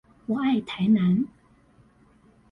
我愛台南